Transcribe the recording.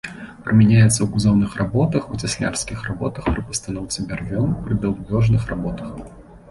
Прымяняецца ў кузаўных работах, у цяслярскіх работах пры пастаноўцы бярвён, пры даўбёжных работах.